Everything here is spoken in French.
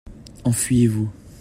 Enfuyez-vous.